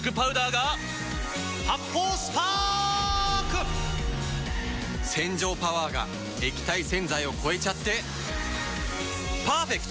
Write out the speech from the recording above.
発泡スパーク‼洗浄パワーが液体洗剤を超えちゃってパーフェクト！